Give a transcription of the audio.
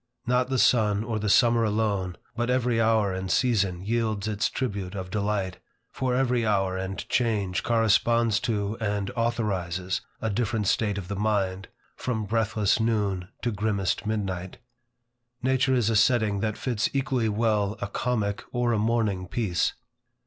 Not the sun or the summer alone, but every hour and season yields its tribute of delight; for every hour and change corresponds to and authorizes a different state of the mind, from breathless noon to grimmest midnight. Nature is a setting that fits equally well a comic or a mourning piece.